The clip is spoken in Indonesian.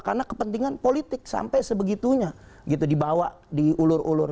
karena kepentingan politik sampai sebegitunya gitu dibawa diulur ulur